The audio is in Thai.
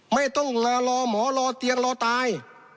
ไม่ต้องรอหมอรอเตียงรอตาย